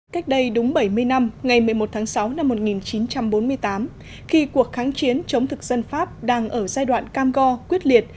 cách đây đúng bảy mươi năm ngày một mươi một tháng sáu năm một nghìn chín trăm bốn mươi tám khi cuộc kháng chiến chống thực dân pháp đang ở giai đoạn cam go quyết liệt